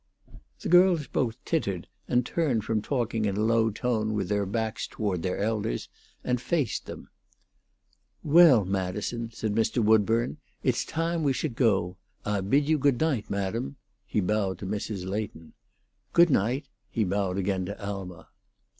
The girls both tittered, and turned from talking in a low tone with their backs toward their elders, and faced them. "Well, Madison," said Mr. Woodburn, "it is time we should go. I bid you good night, madam," he bowed to Mrs. Leighton. "Good night," he bowed again to Alma.